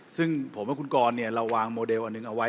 ซึ่งผมว่าคุณกรเราวางโมเดลอันหนึ่งเอาไว้